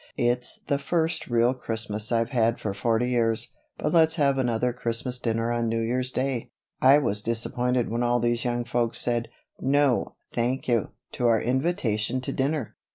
It's the first real Christmas I've had for forty years but let's have another Christmas dinner on New Year's Day; I was disappointed when all these young folks said, 'No, thank you,' to our invitation to dinner.